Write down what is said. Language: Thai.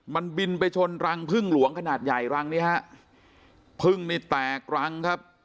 มันบินไปชนรังพึ่งหลวงขนาดใหญ่รังนี้ฮะพึ่งนี่แตกรังครับ